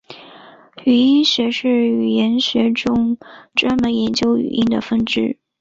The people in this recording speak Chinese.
语音学是语言学中专门研究语音的分支。